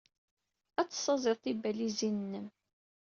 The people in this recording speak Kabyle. Ad tessaẓyed tibalizin-nnem.